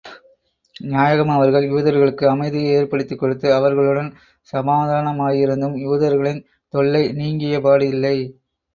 நாயகம் அவர்கள், யூதர்களுக்கு அமைதியை ஏற்படுத்திக் கொடுத்து, அவர்களுடன் சமாதானமாயிருந்தும், யூதர்களின் தொல்லை நீங்கியபாடில்லை.